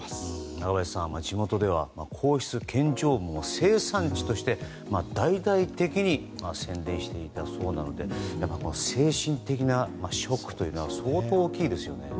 中林さん、地元では皇室献上桃の生産地として大々的に宣伝していたそうなので精神的なショックというのは相当大きいですよね。